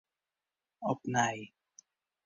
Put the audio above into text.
Opnij.